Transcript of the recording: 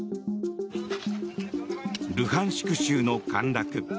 ルハンシク州の陥落。